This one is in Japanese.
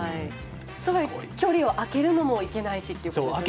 距離を開けるのもいけないしってことですよね。